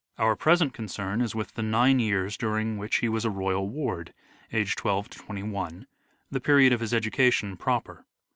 Our present concern is with the nine years during which he was a royal ward (age 12 to 21), the period of bis education proper.